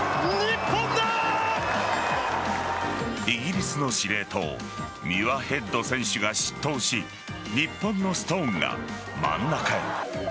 イギリスの司令塔ミュアヘッド選手が失投し日本のストーンが真ん中へ。